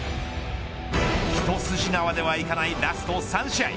一筋縄ではいかないラスト３試合。